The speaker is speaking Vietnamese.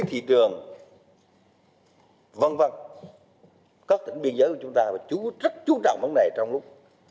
thị trường văn văn các tỉnh biên giới của chúng ta và chú trách chú trọng vấn đề trong lúc